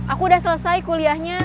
aku udah selesai kuliahnya